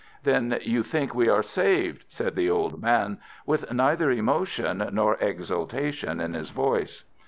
"Then you think we are saved?" said the old man, with neither emotion nor exultation in his voice.